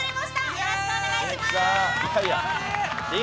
よろしくお願いします。